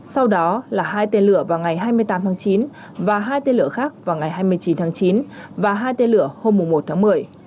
sau đó là hai tên lửa vào ngày hai mươi tám tháng chín và hai tên lửa khác vào ngày hai mươi chín tháng chín và hai tên lửa hôm một tháng một mươi